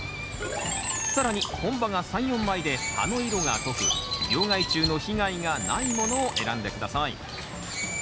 更に本葉が３４枚で葉の色が濃く病害虫の被害がないものを選んで下さい。